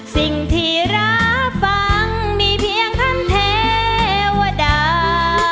สิ่งที่รับฟังมีเพียงคำเทวดา